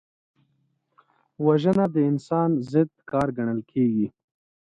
وژنه د انسان ضد کار ګڼل کېږي